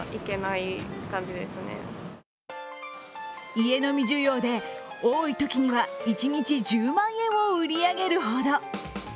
家飲み需要で、多いときには１日１０万円を売り上げるほど！